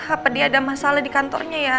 apa dia ada masalah di kantornya ya